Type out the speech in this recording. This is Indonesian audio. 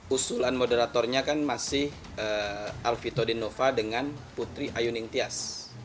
usulan moderatornya kan masih alvito dinova dengan putri ayuning tias